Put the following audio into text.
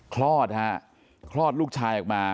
คลอดฮะคลอดลูกชายออกมา